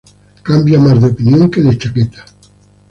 Cambia más de opinión que de chaqueta